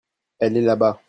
elle est là-bas.